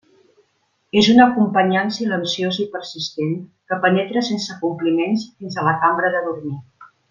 És un acompanyant silenciós i persistent que penetra sense compliments fins a la cambra de dormir.